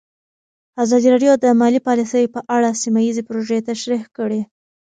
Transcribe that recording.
ازادي راډیو د مالي پالیسي په اړه سیمه ییزې پروژې تشریح کړې.